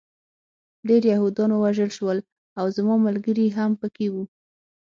ډېر یهودان ووژل شول او زما ملګري هم پکې وو